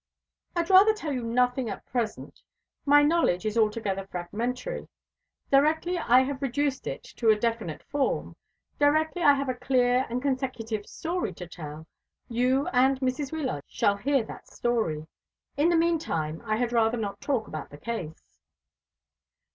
"I'd rather tell you nothing at present. My knowledge is altogether fragmentary. Directly I have reduced it to a definite form directly I have a clear and consecutive story to tell you and Mrs. Wyllard shall hear that story. In the mean time I had rather not talk about the case."